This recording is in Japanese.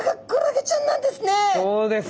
そうです！